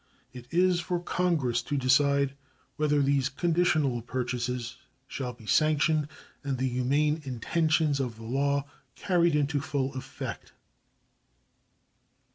It is for Congress to decide whether these Conditional purchases shall be sanctioned and the humane intentions of the law carried into full effect.